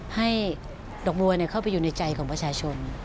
ให้ดอกบัวเข้าไปอยู่ในใจของประชาชน